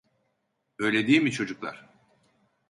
Öyle değil mi çocuklar?